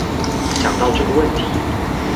講到這個問題